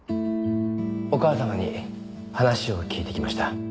お母様に話を聞いてきました。